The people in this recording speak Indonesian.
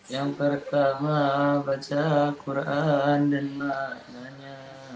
yang pertama baca al quran dan maknanya